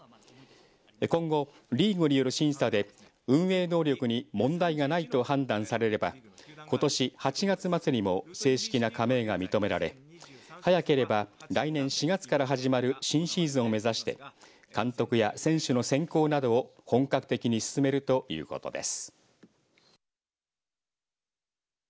今後、リーグによる審査で運営能力に問題がないと判断されればことし８月末にも正式な加盟が認められ早ければ来年４月から始まる新シーズンを目指して監督や選手の選考などを本格的に進めるということです。